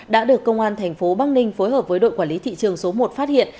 đã được công an tp băng ninh phối hợp với đội quản lý thị trường số một phát hiện